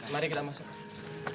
mari kita masuk